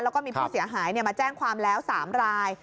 แล้วก็มีผู้เสียหายมาแจ้งความแล้ว๓ราย